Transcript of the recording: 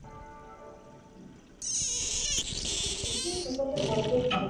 جهاني سجدې به یو سم د پلرونو ترمحرابه،